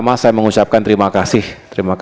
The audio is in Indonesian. masih ada mungkin pak menteri juga belum